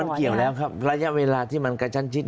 มันเกี่ยวแล้วครับระยะเวลาที่มันกระชั้นชิด